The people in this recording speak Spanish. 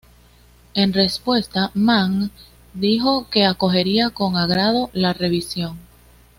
En respuesta, Mann dijo que acogería con agrado la revisión.